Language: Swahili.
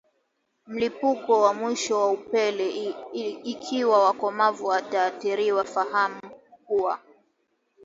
mlipuko wa mwisho wa upele Ikiwa wakomavu wataathirika fahamu kuwa